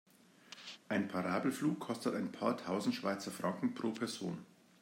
Ein Parabelflug kostet ein paar tausend Schweizer Franken pro Person.